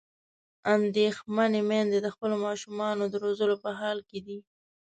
اندېښمنې میندې د خپلو ماشومانو د روزلو په حال کې دي.